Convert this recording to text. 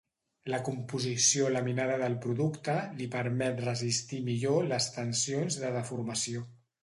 La composició laminada del producte li permet resistir millor les tensions de deformació.